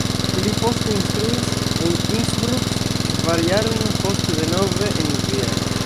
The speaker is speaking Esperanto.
Li poste instruis en Innsbruck, kvar jarojn poste denove en Vieno.